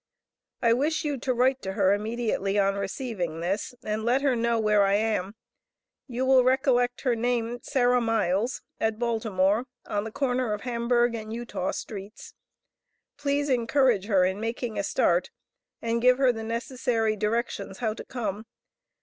I wish you to write to her immediately on receiving this and let her know where I am you will recollect her name Sarah Miles at Baltimore on the corner of Hamburg and Eutaw streets. Please encourage her in making a start and give her the necessary directions how to come.